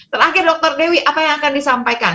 terakhir dokter dewi apa yang akan disampaikan